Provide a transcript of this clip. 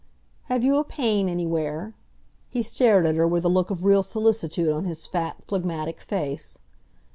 "Have you a pain anywhere?" He stared at her with a look of real solicitude on his fat, phlegmatic face.